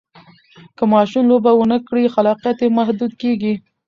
که ماشوم لوبه ونه کړي، خلاقیت یې محدود کېږي.